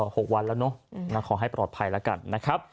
หกวันแล้วเนอะขอให้ปลอดภัยแล้วกันนะครับ